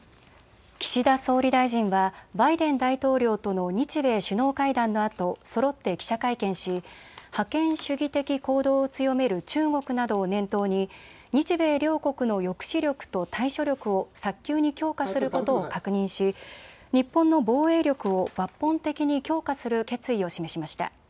岸田総理大臣はバイデン大統領との日米首脳会談のあとそろって記者会見し覇権主義的行動を強める中国などを念頭に日米両国の抑止力と対処力を早急に強化することを確認し日本の防衛力を抜本的に強化する決意を示しました。